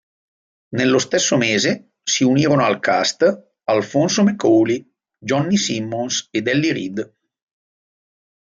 Nello stesso mese si unirono al cast Alphonso McAuley, Johnny Simmons ed Ellie Reed.